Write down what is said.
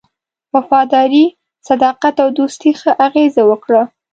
وفاداري، صداقت او دوستی ښه اغېزه وکړه.